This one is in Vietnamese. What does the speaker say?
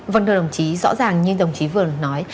vâng thưa đồng chí rõ ràng như đồng chí vừa nói